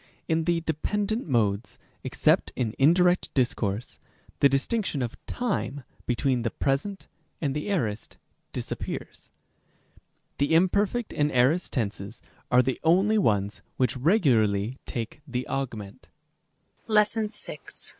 In the dependent modes, except in indirect discourse, the distinction of time between the present and the aorist disappears. Rem. 6. The imperfect and aorist tenses are the only ones which regu larly take the awgment.